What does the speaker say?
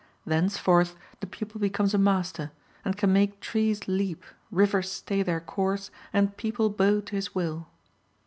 Thenceforth the pupil becomes a master, and can make trees leap, rivers stay their course and people bow to his will.